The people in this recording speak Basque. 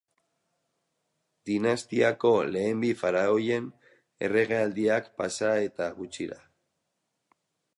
Dinastiako lehen bi faraoien erregealdiak pasa eta gutxira.